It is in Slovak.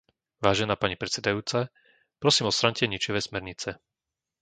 Vážená pani predsedajúca, prosím, odstráňte ničivé smernice.